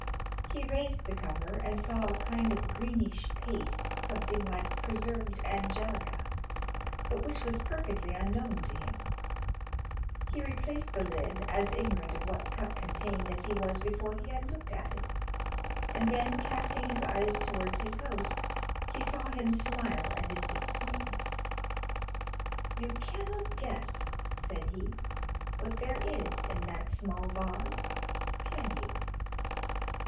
He raised the cover and saw a kind of greenish paste, something like preserved angelica, but which was perfectly unknown to him. He replaced the lid, as ignorant of what the cup contained as he was before he had looked at it, and then casting his eyes towards his host he saw him smile at his disappointment. "You cannot guess," said he, "what there is in that small vase, can you?"